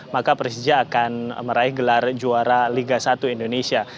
maka persija akan meraih gelar juara liga satu indonesia